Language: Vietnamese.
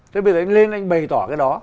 thế bây giờ anh lên anh bày tỏ cái đó